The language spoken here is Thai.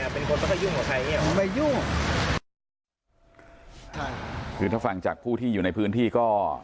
เป็นคนมันก็ยุ่งกับใครเนี่ยมันไม่ยุ่งคือถ้าฟังจากผู้ที่อยู่ในพื้นที่ก็